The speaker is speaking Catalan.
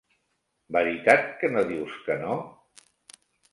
Veritat que no dius que no?